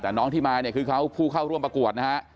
แต่น้องที่มาเนี่ยคือเขาผู้เข้าร่วมประกวดนะฮะ